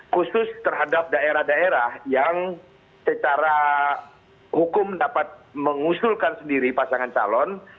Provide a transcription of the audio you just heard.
khusus terhadap daerah daerah yang secara hukum dapat mengusulkan sendiri pasangan calon